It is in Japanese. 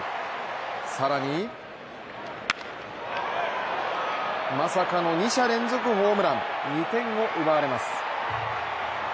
更に、まさかの２者連続ホームラン、２点を奪われます。